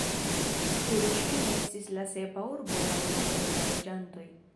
Hiroŝimo estis la sepa urbo laŭ nombro da loĝantoj.